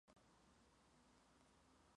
Inconsciente Colectivo terminó en la posición no.